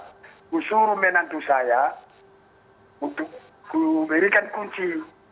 saya suruh minantus saya untuk memberikan kunci